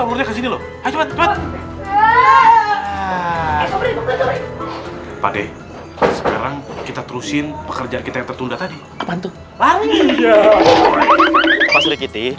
pak d sekarang kita terusin pekerjaan kita yang tertunda tadi